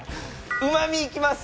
うま味いきます。